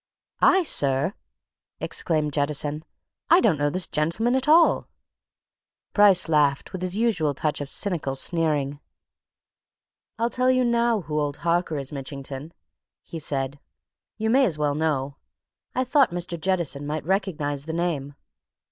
"I, sir!" exclaimed Jettison. "I don't know this gentleman at all!" Bryce laughed with his usual touch of cynical sneering. "I'll tell you now who old Harker is, Mitchington," he said. "You may as well know. I thought Mr. Jettison might recognize the name.